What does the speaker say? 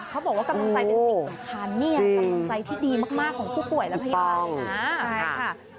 เขาบอกว่ากำลังใส่เป็นสินค้านี่กำลังใส่ที่ดีมากของผู้ป่วยและพยาบาล